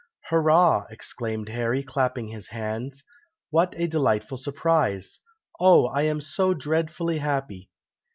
"Hurra!" exclaimed Harry, clapping his hands; "what a delightful surprise! Oh! I am so dreadfully happy!"